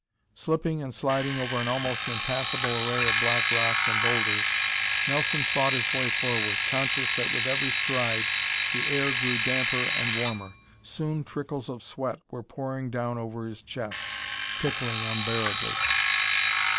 Slipping and sliding over an almost impassable array of black rocks and boulders, Nelson fought his way forward, conscious that with every stride the air grew damper and warmer. Soon trickles of sweat were pouring down over his chest, tickling unbearably.